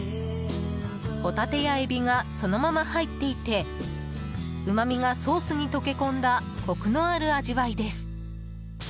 ホタテやエビがそのまま入っていてうま味がソースに溶け込んだコクのある味わいです。